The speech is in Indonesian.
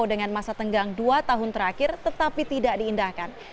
dengan masa tenggang dua tahun terakhir tetapi tidak diindahkan